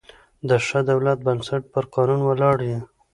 د ښه دولت بنسټ پر قانون ولاړ يي.